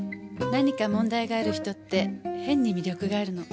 何か問題がある人って変に魅力があるの。